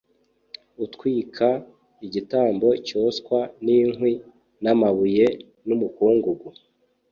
utwika igitambo cyoswa n’inkwi n’amabuye n’umukungugu